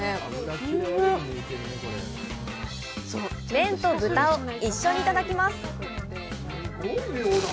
麺と豚を一緒にいただきます！